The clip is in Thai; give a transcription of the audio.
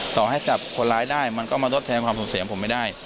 ต่อให้จับคนร้ายได้มันก็มาทดแทนความสูญเสียของผมไม่ได้